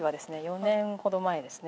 ４年ほど前ですね。